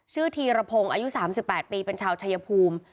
ชื่อทีระพงอายุ๓๘ปีเป็นชาวชายภูมิ